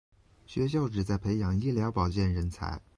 学校旨在培养医疗保健人才。